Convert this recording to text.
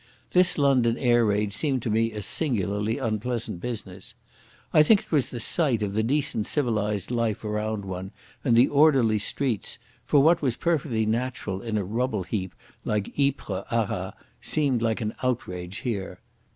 This London air raid seemed to me a singularly unpleasant business. I think it was the sight of the decent civilised life around one and the orderly streets, for what was perfectly natural in a rubble heap like Ypres or Arras seemed an outrage here.